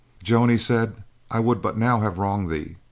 "Joan," he said, "I would but now have wronged thee.